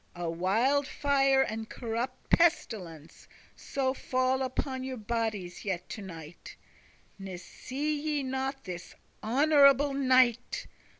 A wilde fire and corrupt pestilence So fall upon your bodies yet to night! Ne see ye not this honourable knight?